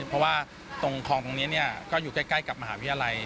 เพราะว่าตรงคลองตรงนี้ก็อยู่ใกล้กับมหาวิทยาลัย